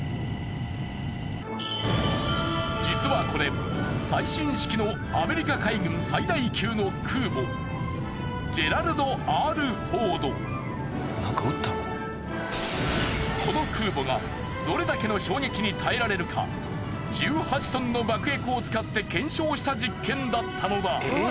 実はこれ最新式のこの空母がどれだけの衝撃に耐えられるか１８トンの爆薬を使って検証した実験だったのだ。